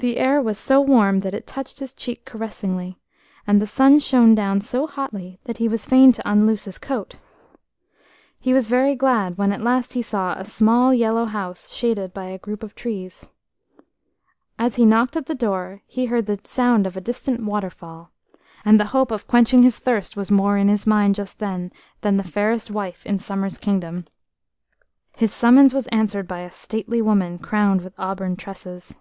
The air was so warm that it touched his cheek caressingly, and the sun shone down so hotly that he was fain to unloose his coat. He was very glad when at last he saw a small yellow house shaded by a group of trees. As he knocked at the door, he heard the sound of a distant waterfall, and the hope of quenching his thirst was more in his mind just then than the fairest wife in Summer's kingdom. His summons was answered by a stately woman crowned with auburn tresses.